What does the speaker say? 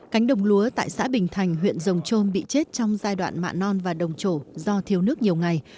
cánh đồng lúa tại xã bình thành huyện rồng trôm bị chết trong giai đoạn mạ non và đồng trổ do thiếu nước nhiều ngày